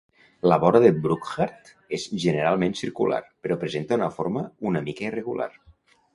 La vora de Burckhardt és generalment circular, però presenta una forma una mica irregular.